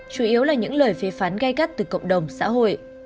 chủ yếu là những lời phê phán gây cắt từ cộng đồng xã hội